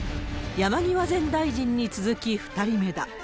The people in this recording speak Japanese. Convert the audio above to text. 山際前大臣に続き２人目だ。